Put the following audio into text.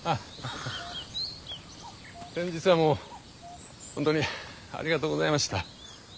先日はもう本当にありがとうございました。